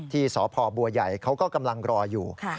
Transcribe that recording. ที่สพบัวใหญ่เขาก็กำลังรออยู่